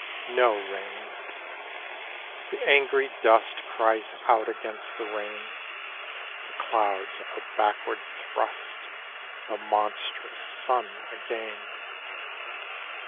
No rain. The angry dust Cries out against the rain; The clouds are backward thrust; The monstrous Sun again.